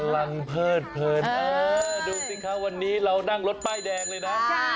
ลดใบแดงเลยนะ